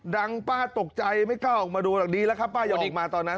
ป้าตกใจไม่กล้าออกมาดูหรอกดีแล้วครับป้าหอดอีกมาตอนนั้น